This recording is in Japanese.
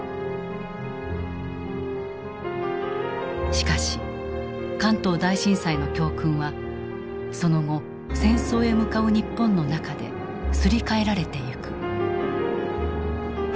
しかし関東大震災の教訓はその後戦争へ向かう日本の中ですり替えられていく。